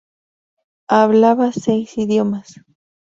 Hablaba seis idiomas.